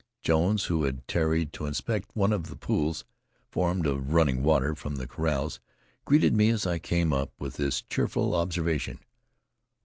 Jones, who had tarried to inspect one of the pools formed of running water from the corrals greeted me as I came up with this cheerful observation.